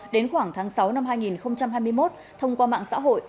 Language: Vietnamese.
đến khoảng tháng sáu năm hai nghìn hai mươi một thông qua mạng xã hội